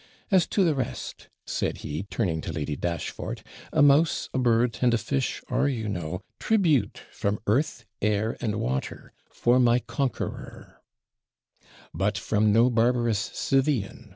As to the rest,' said he, turning to Lady Dashfort, 'a mouse, a bird, and a fish, are, you know, tribute from earth, air, and water, for my conqueror ' 'But from no barbarous Scythian!'